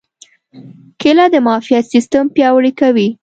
کېله د معافیت سیستم پیاوړی کوي.